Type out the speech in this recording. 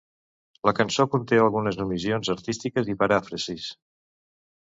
La cançó conté algunes omissions artístiques i paràfrasis.